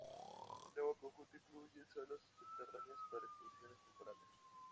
El nuevo conjunto incluye salas subterráneas para exposiciones temporales.